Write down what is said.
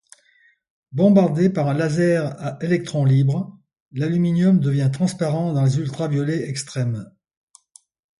Bombardé par un laser à électrons libres, l’aluminium devient transparent dans les ultraviolets extrêmes.